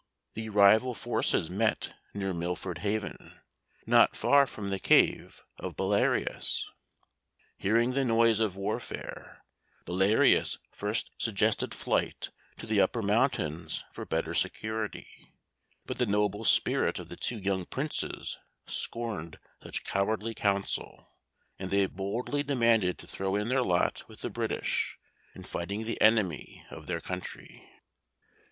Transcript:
The rival forces met near Milford Haven, not far from the cave of Belarius. Hearing the noise of warfare, Belarius first suggested flight to the upper mountains for better security, but the noble spirit of the two young Princes scorned such cowardly counsel, and they boldly determined to throw in their lot with the British in fighting the enemy of their country.